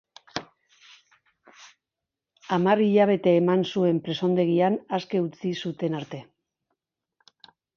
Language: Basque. Hamar hilabete eman zuen presondegian aske utzi zuten arte.